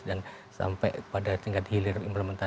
kalau hulunya itu persoalan hulunya dikebijakannya ini belum banyak